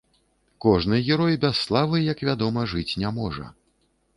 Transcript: Кожны герой без славы, як вядома, жыць не можа.